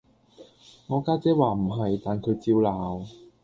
我家姐話唔係，但佢照鬧